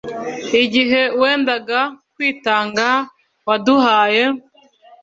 igihe wendaga kwitanga, waduhaye